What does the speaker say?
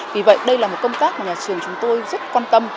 vì vậy đây là một công tác mà nhà trường chúng tôi rất quan tâm